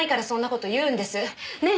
ねえ？